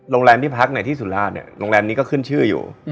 โรงแรมที่พักในที่สุราณนี้ก็ขึ้นชื่ออยู่